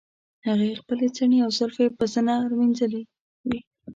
هغې خپلې څڼې او زلفې په زنه مینځلې وې.